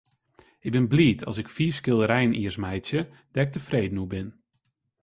Ik bin bliid as ik fiif skilderijen jiers meitsje dêr't ik tefreden oer bin.